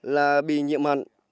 là bị nhiễm mặn